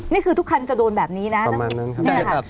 นี่คือทุกคันจะโดนแบบนี้นะประมาณนั้นครับ